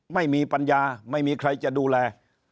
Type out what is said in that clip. ไม่มีปัญญาไม่มีใครจะดูแล